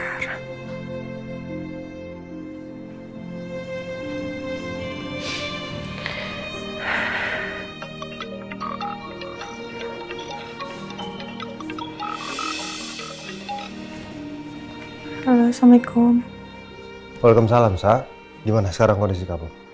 halo assalamualaikum waalaikumsalam saak gimana sekarang kondisi kamu